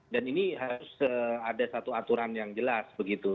dan ini harus ada satu aturan yang jelas begitu